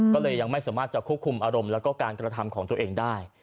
ก็เลยยังไม่สามารถจะควบคุมอารมณ์แล้วก็การกระทำของตัวเองได้